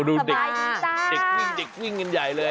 ดูเด็กวิ่งกันใหญ่เลย